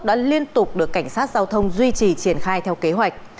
đã liên tục được cảnh sát giao thông duy trì triển khai theo kế hoạch